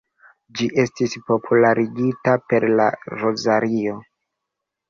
Ĝi estis popularigita per la rozario.